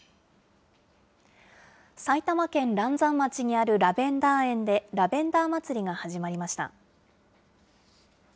埼玉県嵐山町にあるラベンダー園で、ラベンダーまつりが始まりました。